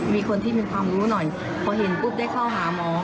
มีคนที่มีความรู้หน่อยพอเห็นปุ๊บได้เข้าหาหมอ